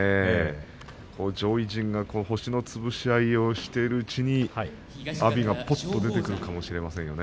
上位陣が星の潰し合いをしているうちに阿炎が、ぽっと出てくるかもしれませんね。